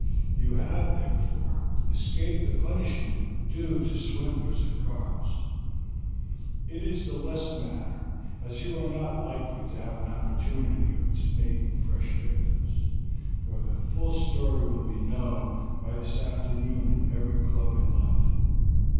You have, therefore, escaped the punishment due to swindlers at cards. It is the less matter, as you are not likely to have an opportunity of making fresh victims, for the story will be known by this afternoon in every club in London.